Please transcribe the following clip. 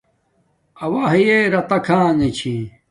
اوݳ ہݵئ رِتݳ کھݳݣݺ چھݺ.